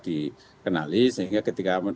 dikenali sehingga ketika